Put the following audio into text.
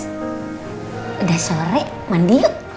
udah sore mandi yuk